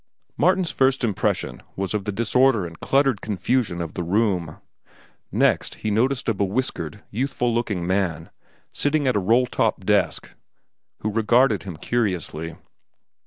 Martin's first impression was of the disorder and cluttered confusion of the room. Next he noticed a bewhiskered, youthful looking man, sitting at a roll top desk, who regarded him curiously.